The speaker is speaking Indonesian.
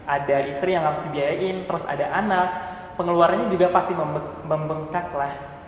ada istri yang harus dibiayain terus ada anak pengeluarannya juga pasti membengkak lah